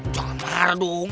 jangan marah dong